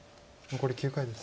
残り９回です。